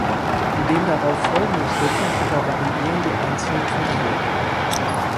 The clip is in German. In den darauf folgenden Schritten aber variieren die einzelnen Vertreter.